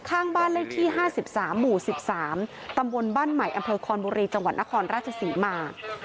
ข้างบ้านเลขที่๕๓หมู่๑๓ตำบลบ้านใหม่อำเภอคอนบุรีจังหวัดนครราชศรีมา